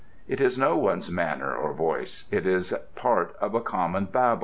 It is no one's manner or voice. It is part of a common babel.